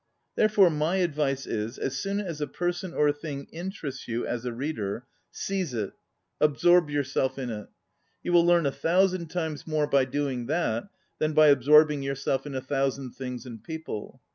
Therefore my advice is, as soon as a person or a thing interests you as 34 ON READING a reader, seize it, absorb yourself in it. You will leam a thousand times more by doing that than by absorb ing yourself in a thousand things and people.